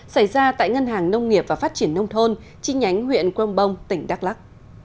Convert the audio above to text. xảy ra tại ngân hàng nông nghiệp và phát triển nông thôn chi nhánh huyện công bông tỉnh đắk lắc